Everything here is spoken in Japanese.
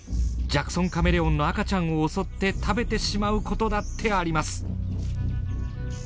ジャクソンカメレオンの赤ちゃんを襲って食べてしまうことだってあります。